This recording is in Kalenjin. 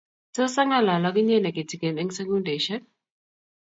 Tos angalal ak inye ne kitikin eng sekudisiek?